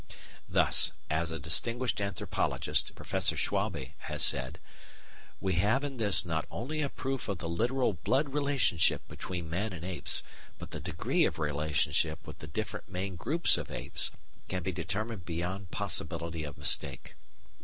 Thus, as a distinguished anthropologist, Professor Schwalbe, has said: "We have in this not only a proof of the literal blood relationship between man and apes, but the degree of relationship with the different main groups of apes can be determined beyond possibility of mistake."